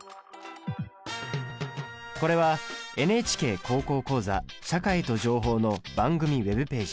これはＮＨＫ高校講座「社会と情報」の番組Ｗｅｂページ。